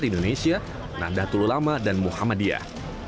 di indonesia nanda tululama dan muhammadiyah